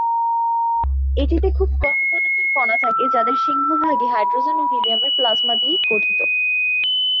এটিতে খুবই কম ঘনত্বের কণা থাকে যাদের সিংহভাগই হাইড্রোজেন ও হিলিয়ামের প্লাজমা দিয়ে গঠিত।